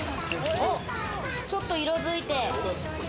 ちょっと色づいて。